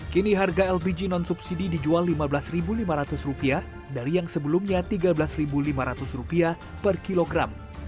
kini harga lpg non subsidi dijual rp lima belas lima ratus dari yang sebelumnya rp tiga belas lima ratus per kilogram